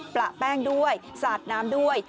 ประแป้งด้วยสาดน้ำด้วย